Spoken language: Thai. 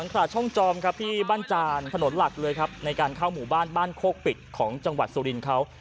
ที่บ้านจานถนนหลักเลยครับในการเข้าหมู่บ้านบ้านโคกปิดของจังหวัดสุรินเขา